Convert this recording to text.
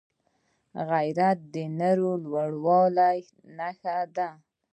غیرت د نارینه لوړه نښه ده